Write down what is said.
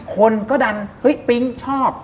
คนก็ดันปิ๊งชอบ